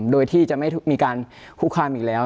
โดยไปเลยจะไม่มีการคุกคลามอื่นแล้ว